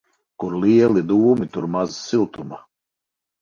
Kur lieli dūmi, tur maz siltuma.